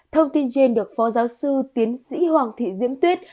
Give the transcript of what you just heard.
thông tin trên được phó giáo sư tiến sĩ hoàng thị diễm tuyết